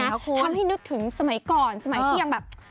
ทำให้นึกถึงสมัยก่อนสมัยที่ยังแบบ